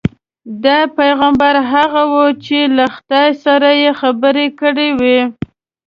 دا پیغمبر هغه وو چې له خدای سره یې خبرې کړې وې.